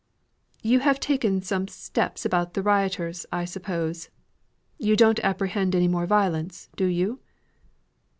"You have taken some steps about the rioters, I suppose? You don't apprehend anymore violence, do you?